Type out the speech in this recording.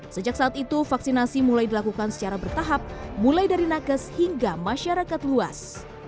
sejak saat itu vaksinasi mulai dilakukan secara bertahap mulai dari nakes hingga masyarakat luas